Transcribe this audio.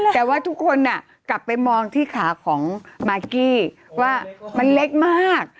แต่ว่าทุกคนกลับไปมองที่ขาของมากกี้ว่ามันเล็กมาก